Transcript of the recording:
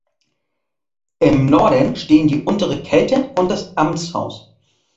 Im Norden stehen die "Untere Kelter" und das "Amtshaus".